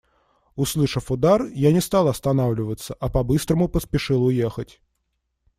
Услышав удар, я не стал останавливаться, а по-быстрому поспешил уехать.